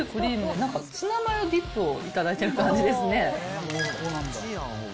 なんかツナマヨディップを頂いている感じですね。